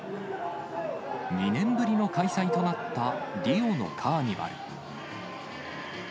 ２年ぶりの開催となったリオのカーニバル。